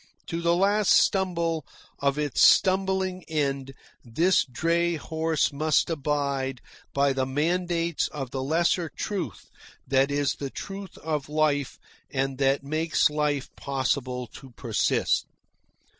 To the last stumble of its stumbling end this dray horse must abide by the mandates of the lesser truth that is the truth of life and that makes life possible to persist.